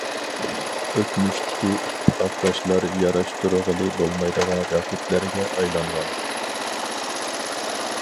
ئۆتمۈشتىكى ئىتتىپاقداشلار ياراشتۇرغىلى بولمايدىغان رەقىبلەرگە ئايلانغان.